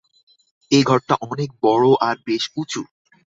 এ ঘরটা অনেক বড় আর বেশ উঁচু।